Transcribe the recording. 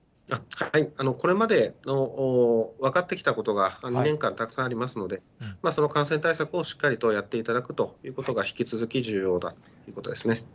これまで分かってきたことが、２年間たくさんありますので、その感染対策をしっかりとやっていただくということが、引き続き重要だということですね。